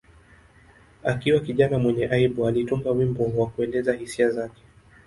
Akiwa kijana mwenye aibu, alitunga wimbo wa kuelezea hisia zake.